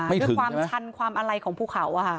ไม่ถึงใช่ไหมด้วยความชันความอะไรของภูเขา